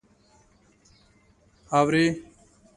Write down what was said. _اورې؟